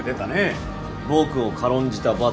僕を軽んじた罰だ。